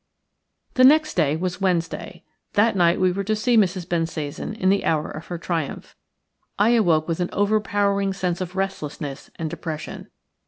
The next day was Wednesday; that night we were to see Mrs. Bensasan in the hour of her triumph. I awoke with an overpowering sense of restlessness and depression.